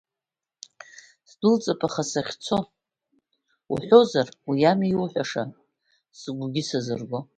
Сдәылҵып, аха сахьцо уҳәозар, уи ами иуҳәаша, сыгәгьы сазырго.